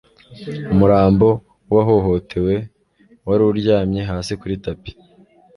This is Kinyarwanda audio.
umurambo w'uwahohotewe wari uryamye hasi kuri tapi